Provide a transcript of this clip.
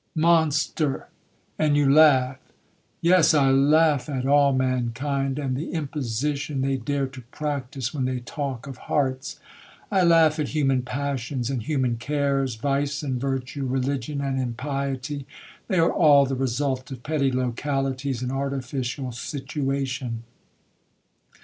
'Monster! and you laugh?'—'Yes, I laugh at all mankind, and the imposition they dare to practise when they talk of hearts. I laugh at human passions and human cares,—vice and virtue, religion and impiety; they are all the result of petty localities, and artificial situation.